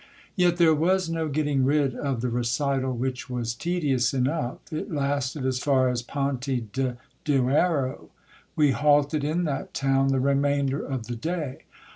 Yet there was no getting rid of the recital, which was tedious enough : it lasted as far as Ponte de Duero. We halted in that town the remainder of the day.